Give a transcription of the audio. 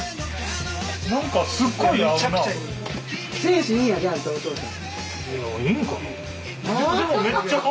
何かすっごい合うな。